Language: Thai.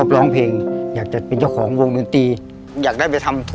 ร้องได้ร้องได้